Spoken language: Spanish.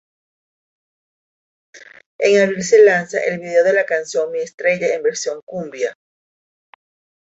En abril se lanza el video de la canción "Mi estrella" en versión cumbia.